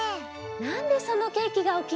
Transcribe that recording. なんでそのケーキがおきにいりなの？